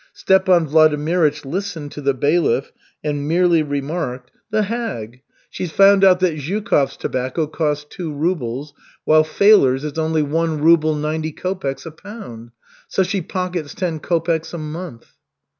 Stepan Vladimirych listened to the bailiff, and merely remarked: "The hag! She's found out that Zhukov's tobacco costs two rubles, while Faler's is only one ruble ninety kopeks a pound. So she pockets ten kopeks a month."